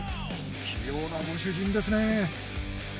器用なご主人ですね。